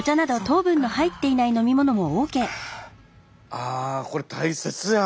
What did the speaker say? あこれ大切や。